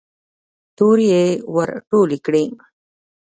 تورې يې ور ټولې کړې.